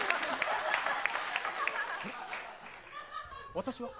私は。